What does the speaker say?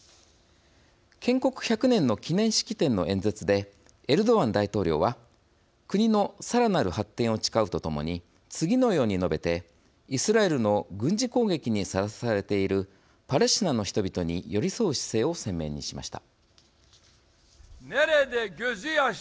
建国１００年の記念式典の演説でエルドアン大統領は国のさらなる発展を誓うとともに次のように述べてイスラエルの軍事攻撃にさらされているパレスチナの人々に寄り添う姿勢を鮮明にしました。